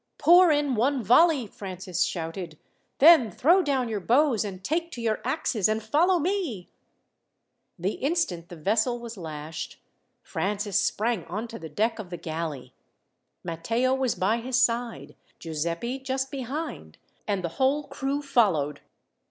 "Pour in one volley," Francis shouted; "then throw down your bows, and take to your axes and follow me." The instant the vessel was lashed, Francis sprang on to the deck of the galley. Matteo was by his side, Giuseppi just behind, and the whole crew followed.